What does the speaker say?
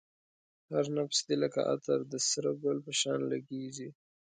هر نفس دی لکه عطر د سره گل په شان لگېږی